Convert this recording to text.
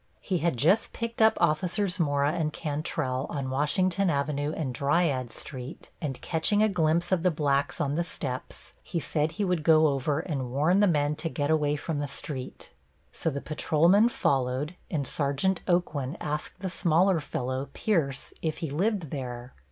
He had just picked up Officers Mora and Cantrell, on Washington Avenue and Dryades Street, and catching a glimpse of the blacks on the steps, he said he would go over and warn the men to get away from the street. So the patrolmen followed, and Sergeant Aucoin asked the smaller fellow, Pierce, if he lived there.